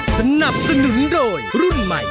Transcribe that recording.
สนับสนุนโดยรุ่นใหม่